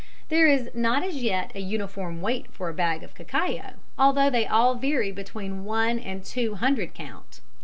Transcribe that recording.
There is not as yet a uniform weight for a bag of cacao, although they all vary between one and two cwt.